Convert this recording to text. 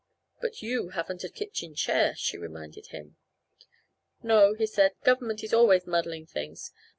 "But you haven't a kitchen chair," she reminded him. "No," he said, "Government is always muddling things.